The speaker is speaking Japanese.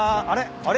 あれ？